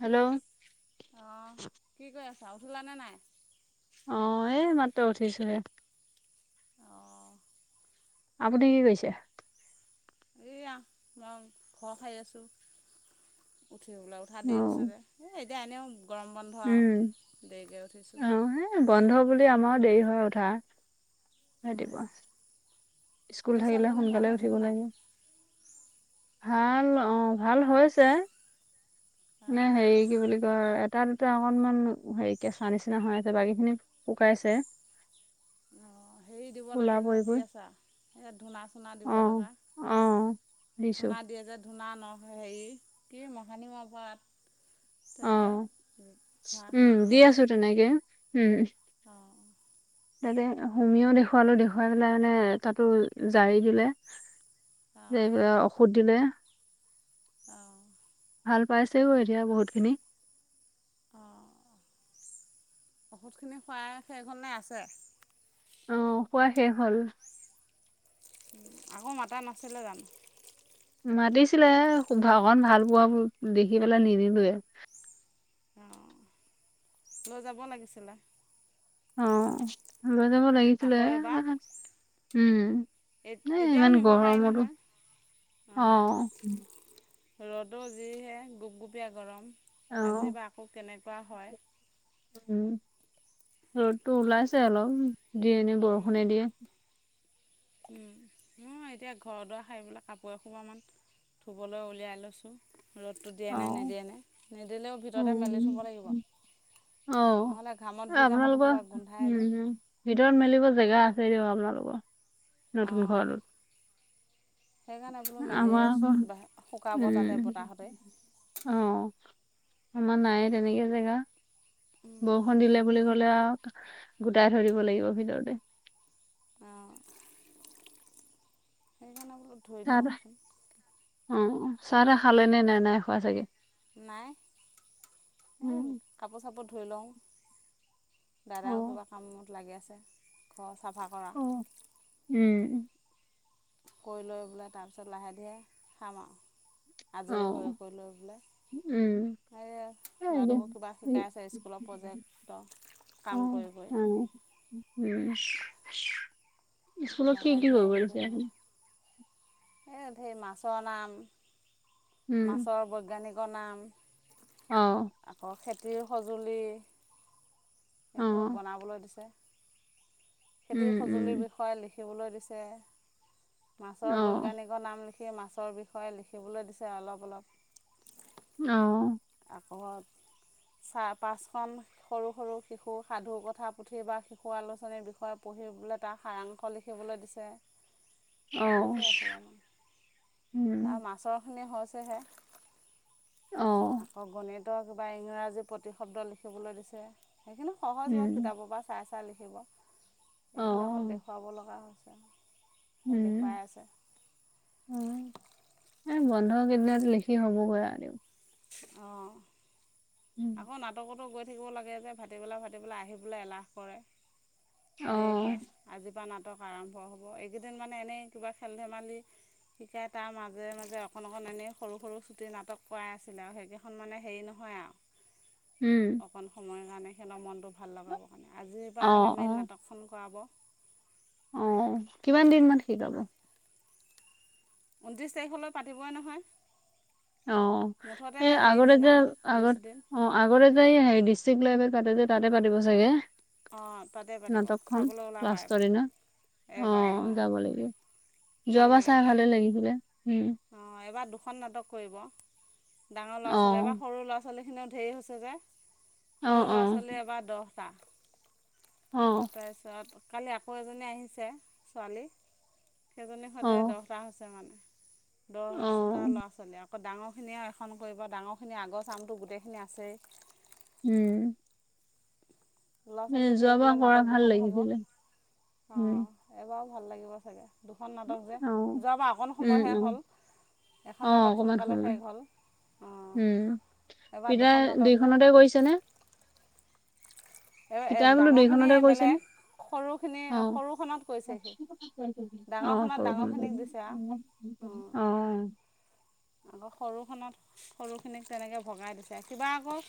Hello অঁ কি কৰি আছা উঠলা নে নাই? অঁ' এই মাত্ৰ উঠিছোহে। অঁ' আপুনি কি কৰিছে? এইয়া মই ঘৰ হাৰি আছোঁ। উঠি বোলে উঠা অ দেৰি হৈছে যে এই এতিয়া এনেও গৰম বন্ধ উম আৰু দেৰিকৈ উঠিছোঁ। অ বন্ধ বুলি আমাৰো দেৰি হয় উঠা। ৰাতিপোৱা স্কুল এই থাকিলে ছোৱালীজনী ভাল সোনকালে হৈছেনে উঠিব নাই লাগে। ভাল অঁ' ভাল হৈছে। মানে অঁ হেৰি কি বুলি কয় তাত অকনমান হেৰি কেচা নিচিনা হৈ আছে বাকীখিনি শুকাইছে। অঁ হেৰি দিব কোলা লাগে পৰি যে দি পৰি আছা ধূনা চুনা দিব অ লগা। অ দিছো ধূনা দিয়ে যে ধূনা ন হেৰি কি মহানিমৰ পাত। তেনেকৈ অঁ' উম ধোঁৱাখিনি দি দিয়ে যে আছো তেনেকে উম। অঁ' তাতে হুমিও দেখুৱালো দেখুৱাই পেলাই মানে তাতো জাৰি দিলে। এই অঁ যে ঔষধ দিলে। অঁ' ভাল পাইছেগৈ এতিয়া বহুতখিনি। অ ঔষুধ খিনি খোৱাই শেষ হল নে আছে? অ খোৱা শেষ হ'ল। আকৌ মাতা নাছিলে জানো? মাতিছিলে অকণমান ভাল পোৱা দেখি পেলাই নিনিলোৱে। অঁ লৈ যাব লাগিছিলে। অ লৈ যাব লাগিছিলে আকৌ এবাৰ এ উম এ এতিয়াও ইমান নিব পাৰি গৰম আৰু নহয় অ অঁ ৰ'দো যিহে গোপগুপীয়া গৰম অ আজি বা আকৌ কেনেকুৱা হয়। উম ৰ'দটো ওলাইছে অলপ দিয়ে নে বৰষুণে দিয়ে উম ময়ো এতিয়া ঘৰ দুৱাৰ সাৰি পেলাই কাপোৰ এসোপা মান ধুবলৈ উলিয়াই লৈছোঁ। ৰ'দটো দিয়ে অ নে নিদিয়ে নে নিদিলেও ভিতৰতে মেলি উম থ'ব লাগিব। অ নহ'লে এ ঘামত ভিজা কাপোৰ আপোনালোকৰ সোপা গোন্ধাই উম যে উম ভিতৰত মেলিব জেগা আছে দিয়ক আপোনালোকৰ নতুন ঘৰটোত। সেই কাৰণে বোলো আমাৰ আকৌ মেলিয়াই শুকাব তাতে উম বতাহতে অ আমাৰ নাইয়ে তেনেকে জেগা বহ বৰষুণ দিলে বুলি ক'লে আৰু গোটাই থৈ দিব লাগিব ভিতৰতে। অঁ সেইকাৰণে বুলো, অ চাহ তাহ খালে নে নাই নাই খোৱা চাগে? নাই এই উম কাপোৰ চাপোৰ ধুই লওঁ দাদাও অ কিবা কামত লাগি আছে ঘৰ চাফা কৰা। অ উম কৈ লৈ পেলাই তাৰ পিছত লাহে ধিৰে খাম আও। অ আজৰি হৈ কৰি লৈ বোলে, উম সেইয়া এই যে, ল'ৰাটোকো কিবা শিকাই আছে স্কুলৰ প্ৰজেক্ট অ কাম কৰি অ কৰি উম স্কুলত কি লাহে কি ধীৰে কৰিব দিছে সেই ধেই মাছৰ নাম উম মাছৰ বৈজ্ঞানিকৰ নাম অ আকৌ খেতিৰ সঁজুলি অ ইহঁতক বনাবলৈ দিছে উম খেতিৰ উম সঁজুলিৰ বিষ হয় লিখিবলৈ দিছে অ মাছৰ বৈজ্ঞানিক নাম লিখি মাছৰ বিষয়ে লিখিবলৈ দিছে অলপ অলপ। অ আকৌ চাহ পাঁচখন সৰু সৰু শিশু সাধু কথা পুথি বা শিশু আলোচনীৰ বিষয়ে পঢ়িবলৈ তাৰ সাৰাংশ লিখ লিখিবলৈ দিছে। অ দিছে এসোপামান উম তাৰ মাছৰ খিনি হৈছেহে অ আকৌ গণিত ত 'কিবা ইংৰাজী প্ৰতিশব্দ লিখিবলৈ দিছে সেইখিনি সহজ বাৰু উম কিতাপৰ পৰা চাই কাই লিখিব অ এইখিনি অকণ দেখুৱাব লগা হৈছে সেই দেখুৱাই আছে উম এই বন্ধ কেইদিনত লিখি হ'ব পৰা দিওঁ অঁ আকৌ নাটকতো গৈ থাকিব লাগে যে ভাটি বেলা ভাটি বেলা আহি পেলাই এলাহ কৰে অ দেৰি হয় আজিৰ পৰা নাটক আৰম্ভ হ'ব এইকেইদিন মানে এনেই কিবা খেল-ধেমালি শিকাই তাৰ মাজে মাজে অকণ অকণ এনেই সৰু সৰু ছুটি নাটক কৰাই আছিলে আৰু সেইগে খন মানে হেৰি নহয় আও উম অকণ সময়ৰ কাৰণে সিহঁতৰ মনটো ভাল লগাবৰ কাৰণে। আজিৰ পৰা মানে অ', মেইন অ', নাটকখন কৰাব অ কিমান দিনমান শিকাব? ঊনত্ৰিছ তাৰিখলৈ পাতিবই নহয় অ মুঠতে এ হেৰি আগতে দিন যে আৰু বিছ আগত দিন অ আগতে যে এই হেৰি, ডিষ্ট্ৰিক্ট লেবেল পাতে যে তাতে পাতিব চাগে অঁ তাতে পাতিব নাটকখন চাবলৈ ওলাবা এইবাৰ লাষ্টৰ দিনা, এইবাৰ অহ অঁ যাব লাগিব। যোৱাবাৰ চাই ভালে লাগিছিলে, উম অ' এইবাৰ দুখন নাটক কৰিব। ডাঙৰ ল'ৰা -ছোৱালী এবা, অ'। সৰু ল'ৰা ছোৱালীখিনিও ধেই হৈছে যে, অ', সৰু ল'ৰা- অ', ছোৱালীও এইবাৰ দহটা অ', তাৰপিছত কালি আকৌ এজনী আহিছে ছোৱালী সেইজনীৰ সৈতে অ', দহটা হৈছে মানে, দহটা অ', ল'ৰা-ছোৱালী আ কৌ ডাঙৰখিনিয়েও এখন কৰিব, ডাঙৰখিনিৰ আগৰ চামটো গোটেইখিনি আছেই উম এ ল'ৰা-ছোৱালী ধেই যোৱাবাৰ হ'লে কৰা নাটক ভাল দুখন হ'ব। অ লাগিছিলে উম, এইবাৰো ভাল লাগিব চাগে দুখন নাটক যে, অ', যোৱাবা অকণ উম, সময়হে অ', হ'ল, এখন অ', নাটক অকমান সোনকালে সময় শেষ হ'ল। অঁ উম এইবাৰ পিতাই দুখন নাটক যে দুইখনতে কৰিছে নে? এ এ পিতাই বোলো দুইখনতে ডাঙৰখিনিয়ে কৰিছেনে? বেলেগ, সৰুখিনি-সৰুখনত কৈৰিছে সি। হয় নেকি ডাঙৰখনত ডাঙৰখিনিক দিছে আও উম আকৌ সৰুখনত সৰুখিনিক তেনেকে ভগাই দিছে। সিবা আকৌ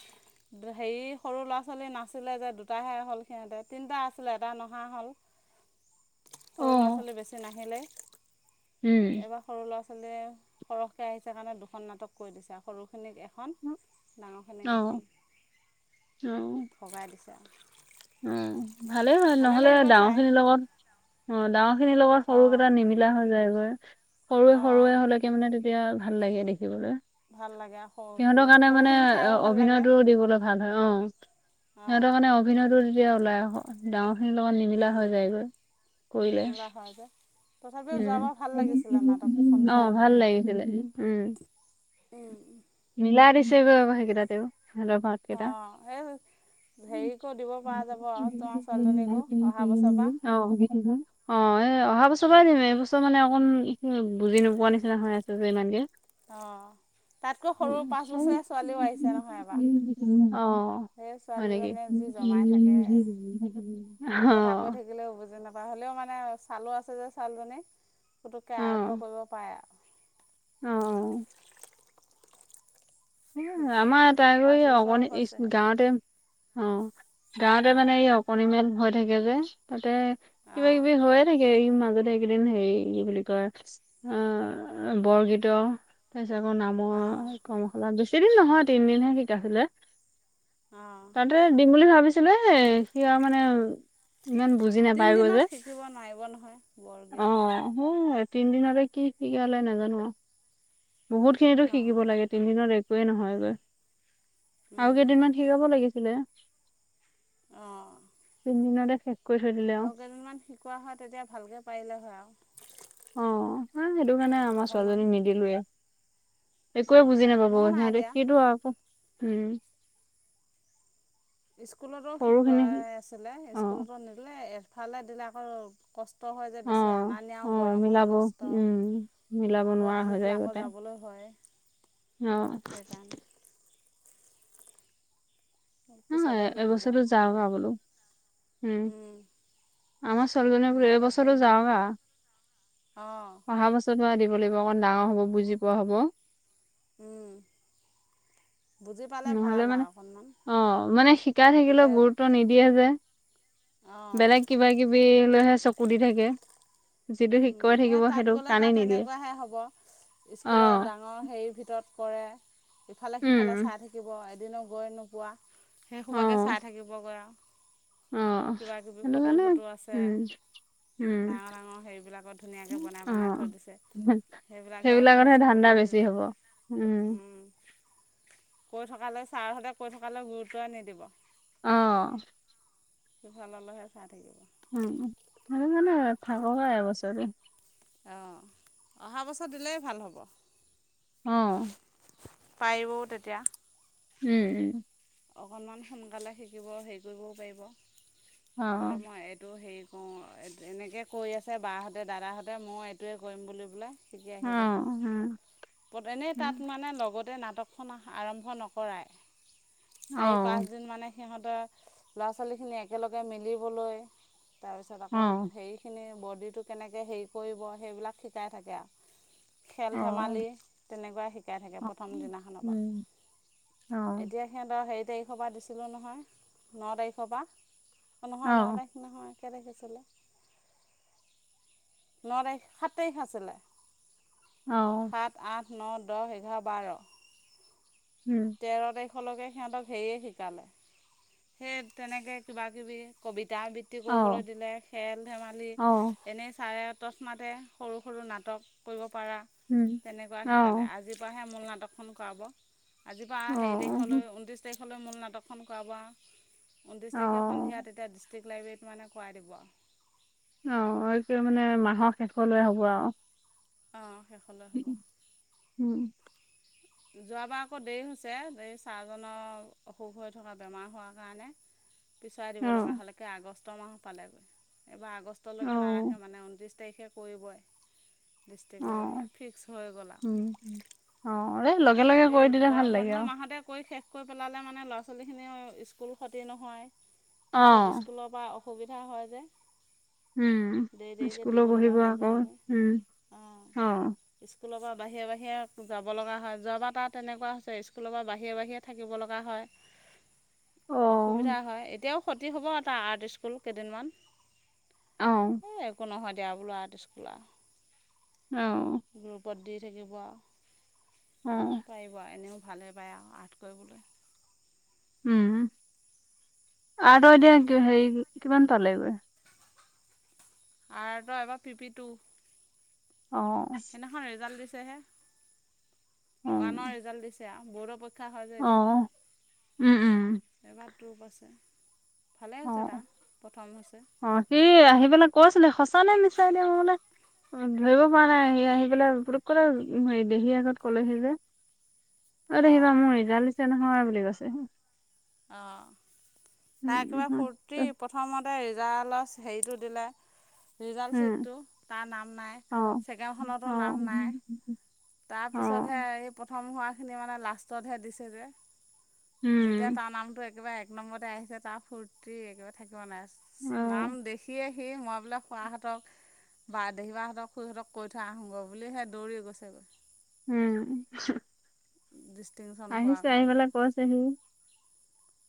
হেৰি সৰু ল'ৰা-ছোৱালী নাছিলে যে দুটাহে হ'ল সিহঁতে, তিনটা আছিলে এটা নহা হ'ল। সৰু ল'ৰা-ছোৱালী বেছি নাহিলে উম সৰু ল'ৰা-ছোৱালীয়ে, সৰহকে আহিছে কাৰণে দুখন নাটক কৰি দিছে আও সৰুখিনিক এখন, অ ডাঙৰখিনিক অ এখন ভগাই দিছে অ ভালেই হল, ভালে নহলে লাগিব ডাঙৰ চাই খিনিৰ লগত, অ ডাঙৰ খিনিৰ লগত সৰুকেইটা নিমি লা হৈ যায় গৈ অ এ মানে তেতিয়া ভাল লাগে দেখিবলৈ ভাল লাগ অহ সিহঁতৰ কাৰণে মানে অ-অভিনয়টো দিবলে ভাল হয় অ সিহঁতৰ কাৰণে অভিনয়তো তেতিয়া ওলাই আহু ডাঙৰ খিনিৰ লগত নিমিলা অঁ হৈ যায়গৈ, কৰিলে নিৰ্মিলা হয় যে তথাপিও যোৱাবাৰ ভাল লাগিছিল আমাৰ খন উম অ ভাল লাগিছিলে উম চাই উম মিলাই দিছেগৈ আকৌ সেইকেইটাতেওঁ, সিহঁতৰ ভাগ অ সেই হেৰিকো দিব পৰা যাব আও তোঁমাৰ ছোৱালীজনীকো অহা বছৰৰ পৰা অ ভিত্তি অ' এই অহা বছৰৰ পৰাই দিম, এই বছৰ মানে অকণ বুজি নোপোৱা নিচিনা হৈ আছে যে ইমান কে অ', তাতকৈ সৰু পাঁচ বছৰীয়া ছোৱালীও আহিছে নহয় এইবাৰ উ অ হয় যি নেকি? জমাই থাকে কথা কৈ অ' থাকিলেও বুজি নাপায়, হ'লেও মানে ছালো আছে যে ছোঁৱালীজনী, ফুটুককে অ আয়ত্ব কৰিব পাৰে আৰু। অ অ। উম শিকোৱা আমাৰ এতাই আকৌ এই পাঁচ বছৰ অকনি স্কু হৈছেহে গাঁৱতে অ', গাঁৱতে অঁ মানে এই অ কনিমেল হৈ থাকে যে তাতে কিবা কিবি অঁ হয় থাকে, ই মাজতে এইকেইদিন হেৰি কি বুলি কয় অ', বৰগীতৰ তাৰ পিছত আকৌ নাম অ'। আমাৰ বেছি দিন নহয়, তিনদিন হে শিকাইছিলে। অঁ তাতে দিম বুলি ভাবিছিলো, এ সি আৰু মানে ইমান বুজি নাপায়গৈ তিনিদিনত যে শিকিব নোৱাৰিব নহয় বৰগীত। মই, তিনদিনতে কি শিকালে নাজানো। বহুতখিনিতো শিকিব অঁ লাগে তিনদিনত একোৱেই নহয়গৈ আৰু উম কেইদিনমান শিকাব লাগিছিলে? অঁ। তিনিদিনতে শেষ। কৰি থৈ দিলে আৰু কেইদিনমান শিকোৱা হয় তেতিয়া ভালকৈ পাৰিলে হয় আও। অ, হ সেইটো কাৰণে আমাৰ ছোৱালীজনী নিদিলোয়ে। একোৱে বুজি নাপাব মোৰো নাই সিহঁতে দিয়া সেইটো আকৌ উম। স্কুলতো সৰুখিনি শিকোৱাই আছিলে, অ স্কুলতো নিদিলে এফালে দিলে আকৌ কষ্ট হয় যে অ বেছি আনা অ নিয়াওঁ গৰমত মিলাব কষ্ট উম মিলাব আকৌ নোৱাৰা হৈ আহি যায় পেলাই আকৌ গোটাই যাবলৈ হয়। অ। সেইকাৰণে নহয়, পিছতে শিকিব এবছৰটো আৰু যাও যা বোলো বেলেগত হুম। আমাৰ ছোৱালীজনী বুলে এবছৰো যাওগা। অ। অহা বছৰ পৰা দিব লাগিব অকণ ডাঙৰ হ'ব, বুজি পোৱা হ'ব। উম। বুজি পালে ভাল নহলে লা মানে অকণমান। অ মানে শিকাই থাকিলেও তেতিয়া গুৰুত্ব নিদিয়ে যে অঁ বেলেগ কিবা কিবি লৈহে চকু দি থাকে। যিটো হুম শিকাই সেই থাকিব তাত সেইটো গ'লে তাত কাণেই নিদিয়ে তেনেকুৱাহে হ'ব, ইচ অ স্কুলৰ ডাঙৰ হেৰিৰ ভিতৰত কৰে, ইফালে -সিফালে উম চাই থাকিব, এদিনো গৈ নোপোৱা। সেই অ সোবাকেই চাই থাকিব পৰা। অ কিবা কিবি সেইটো ফটো - কাৰণে চটো আছে, উম উম ডাঙৰ - ডাঙৰ হেৰি বিলাকত অ ধুনীয়াকৈ বনাই বনাই থৈ দিছে সেইবিলাকতহে চকু ধান্দা দি বেছি ফুৰিব। হ'ব উম। উম, কৈ থকালৈ ছাৰহতে কৈ থকালৈ গুৰুত্বই নিদিব। অ। সিফাল ল'লেহে চাই থাকিব। উম, সেইটো কাৰনে থাকো পাই এবছৰটো। অঁ, অহা বছৰ দিলেই ভাল হ'ব। অ। পাৰিবও তেতিয়া। উম উম। অকণমান সোনকালে শিকিব হেৰি কৰিবও পাৰিব, অ বোলে মই এইটো হেৰিত অঁ এনেকে কৈ আছে বাহঁতে দাদাহঁতে মই এইটোৱে কৰিম বুলি পেলাই শিকি অ আহিব পতেনে তাত মানে লগতে নাটক খনা আৰম্ভ নকৰাই চাৰি পাঁচদিন মানে সিহঁতে ল'ৰা ছোৱালীখিনি একেলগে মিলিবলৈ তাৰপিছত আকৌ হেৰিখিনি বডিটো কেনেকে হেৰি কৰিব সেইবিলাক শিকাই থাকে আ খেল ধেমালি তেনেকুৱা শিকাই থাকে প্ৰথম দিনাখনৰ উম পা উম অ এতিয়া সিহঁতৰ হেৰি তাৰিখ পা দিছিলে নহয় ন তাৰিখৰ পা এ অ অ নহয় ন তাৰিখ নহয় কে তাৰিখে দিছিলে ন তাৰিখ সাত তাৰিখ আছিলে অ সাত আঠ ন দহ এঘাৰ বাৰ উম তেৰ তাৰিখলৈকে সিহঁতক হেৰিয়ে শিকালে সেই তেনেকে কিবা কিবি কবিতা আবৃ খেতি অ কৰিবলৈ দিলে খেল ধেমালি অ অ এনেই ছাৰে তচমাতে সৰু সৰু নাটক কৰিব পাৰা উম তেনেকুৱা অ শিকালে আজিৰ পৰাহে মূল নাটক নাটখন কৰাব আজিৰ পা অ হেৰি উম তাৰিখলৈ ঊনত্ৰিছ তাৰিখলৈ মূল নাটকখন কৰাব আ ঊনত্ৰিছ অ অ তাৰিখে সন্ধিয়া তেতিয়া ডিষ্ট্ৰিক লাইবেৰিয়া কৰাই দিব আও অ এইটোৱে মানে মাহৰ শেষ লৈ হ'ব আউ অঁ শেষলৈ হ'ব উম যোৱাবাৰ আকৌ দেৰি হৈছে দেৰি ছাৰজনৰ অসুখ হৈ থকা বেমাৰ হোৱাৰ কাৰণে পিছুৱাই দিব অ লগা হল একে আগষ্ট মাহ পালেগৈ এইবাৰ আগষ্ ষ্টলৈকে অ নাৰাখে মানে ঊনত্ৰিছ তাৰিখে কৰিবই ডিষ্ট্ৰিক্ট অ লাইব্ৰেৰীত ফিক্স হৈ গ'ল আ উম, অ এ লগে লগ এই গৰম বন্ধ মাহতে কৰি শেষ কৈ পেলালে মানে ল'ৰা ছোৱালীখিনি অ স্কুল ক্ষতি নহয় অ, পিছত স্কুলত বা অসুবিধা হয় যে উম, দেৰি দেৰিকে স্কুলো দিব লগা বহিব হৈ আকৌ যায়গৈ উম, অ স্কুলৰ পা বাহিৰে বাহিৰে যাব লগা হয় যোৱা বাৰ তাৰ তেনেকুৱা হৈছে স্কুলৰ পৰা বাহিৰে বাহিৰে থাকিব লগা হয় অ, অসুবিধা হয় এতিয়াও ক্ষতি হ'ব তা আৰ্ট স্কুল কেইদিনমান অ এ একো নহয় দিয়া বোলো আৰু আৰ্ট স্কুল আও অ গ্ৰুপত দি থাকিব অ পাৰিব এনেও ভালেই পায় আ আৰ্ট কৰিবলৈ উম আৰ্ট ত এতিয়া হেৰি কিমান পালেগৈ আৰ্ট ত এইবাৰ পিপি টু অ সেখন ৰিজাল্ট দিছেহে অ, ওৱানৰ ৰিজাল্ট দিছে আও বৰ্ডৰ প শিক্ষা হয় যে অ, এতিয়া উম, উম, এ-বাৰ টু পাইছে ভালে অ, হৈছে তাৰ প্ৰথম হৈছে অ সি আহি পেলাই কৈছিলে সঁচা নে মিছাই এতিয়া মই বোলে ধৰিব পৰা নাই সি আহি পেলাই পুতুককতে হেই দেহীৰ আগত কলেহি যে অ' দেহী-বা অঁ মোৰ ৰিজাল্ট দিছে নহয় বুলি কৈছে। অঁ, উম, তাই একেবা উম, ফূৰ্তি প্ৰথমতে ৰিজালচ হেৰিটো দিলে ৰিজাল্ট উম চিটটো, তাৰ নাম নাই অ, অ', ছেকেণ্ডখনতো নাম নাই তাৰপিছতহে অ', এই প্ৰথম হোৱাখিনি মানে লাষ্টতহে দিছে যে যেতিয়া উম, তাৰ নামটো একেবাৰে এক নম্বৰতে আহিছে তাৰ ফুৰ্তি একেবা থাকিব নাই, অ', নাম দেখিয়ে সি মই বোলে খোৱাহঁতক বা দেহী বা-হঁতক, খুৰিহঁতক কৈ থৈ আহোগ বুলি হে দৌৰি গৈছে ক। উম ডিষ্টেংগোচং আহিছে আহি পেলাই কৈছেহি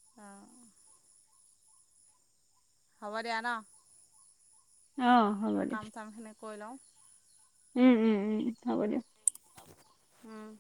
অ' হ'ব দিয়া ন? অ', হ'ব কাম-চামখিনি ক‌ই লওঁ। উম-উম-উম, হ'ব দিয়া। উম্